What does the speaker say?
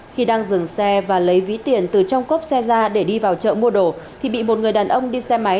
khi đang dừng xe và lấy ví tiền từ trong cốp xe ra để đi vào chợ mua đồ thì bị một người đàn ông đi xe máy